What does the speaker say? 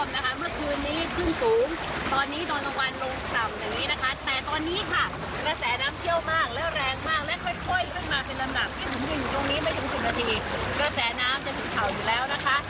ที่สุดยุ่งตรงนี้ไม่ถึง๑๐นาทีกระแสน้ำจะสุดเผ่าอยู่แล้วนะคะ